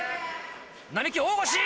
並木大腰！